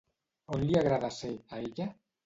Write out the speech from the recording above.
On li agrada ser, a ella?